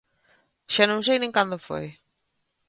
Xa non sei nin cando foi